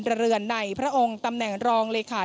พรรดารย์เรือนในพระองค์ตำแหน่งรองลีขา